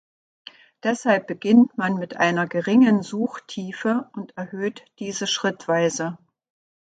Deshalb beginnt man mit einer geringen Suchtiefe und erhöht diese schrittweise.